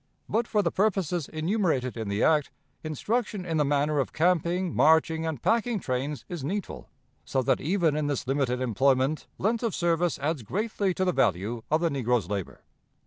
"But, for the purposes enumerated in the act, instruction in the manner of camping, marching, and packing trains is needful, so that even in this limited employment length of service adds greatly to the value of the negro's labor.